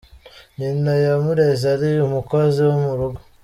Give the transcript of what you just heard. Nyina yamureze ari umukozi wo mu rugo.